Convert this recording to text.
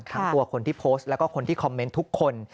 ทั้งตัวคนที่โพสต์แล้วก็คนที่คอมเมนต์ทุกคน